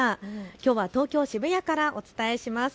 きょうは東京渋谷からお伝えします。